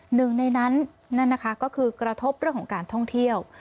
หนึ่งในนั้นนั่นนะคะก็คือกระทบเรื่องของการท่องเที่ยว